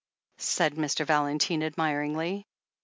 said Mr. Valentine admiringly.